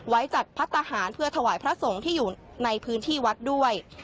ไว้จัดพัฒนาหารเพื่อถวายพระสงฆ์ที่อยู่ในพื้นที่วัดด้วย